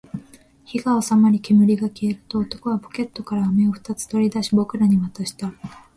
火が収まり、煙が消えると、男はポケットから飴を二つ取り出し、僕らに渡した